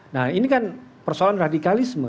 nah ini kan persoalan radikalisme